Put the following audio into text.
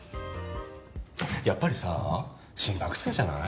やっぱりさ心拍数じゃない？